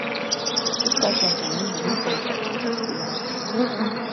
Itt tartják meg minden évben a Petra Fesztivált.